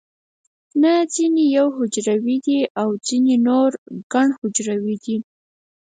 نه ځینې یو حجروي دي او ځینې نور ګڼ حجروي دي